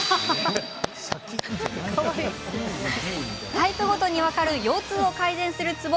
タイプごとに分かる腰痛を改善するツボ